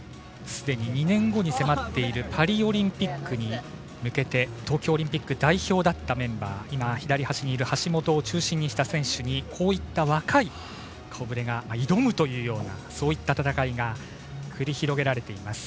すでに２年後に迫っているパリオリンピックに向けて東京オリンピック代表だったメンバー橋本を中心とした選手にこういった若い顔ぶれが挑むというような戦いが繰り広げられています。